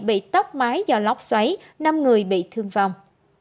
bị tóc mái do lóc xoáy năm người bị thương vong